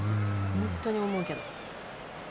本当に思うけど。